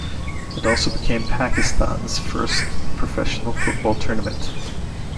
It also became Pakistan's first professional football tournament.